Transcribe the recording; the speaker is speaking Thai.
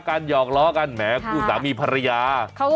โอ้โหโอ้โหโอ้โหโอ้โหโอ้โหโอ้โหโอ้โหโอ้โหโอ้โหโอ้โห